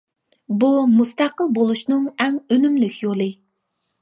بۇ مۇستەقىل بولۇشنىڭ ئەڭ ئۈنۈملۈك يولى.